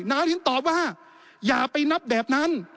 นารินตอบว่าอย่าไปนับแบบนั้น